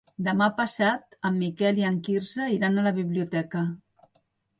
Demà passat en Miquel i en Quirze iran a la biblioteca.